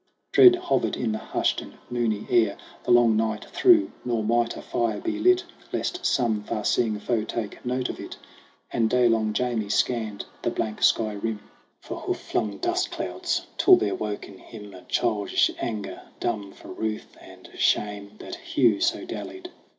Dread hovered in the hushed and moony air The long night through ; nor might a fire be lit, Lest some far seeing foe take note of it. And day long Jamie scanned the blank sky rim 22 SONG OF HUGH GLASS For hoof flung dust clouds; till there woke in him A childish anger dumb for ruth and shame That Hugh so dallied.